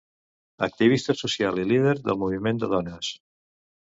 Activista social i líder del moviment de dones.